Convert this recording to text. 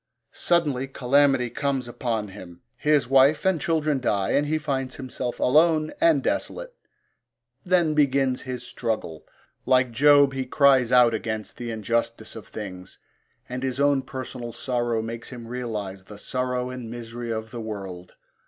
Suddenly calamity comes upon him, his wife and children die and he finds himself alone and desolate. Then begins his struggle. Like Job, he cries out against the injustice of things, and his own personal sorrow makes him realise the sorrow and misery of the world.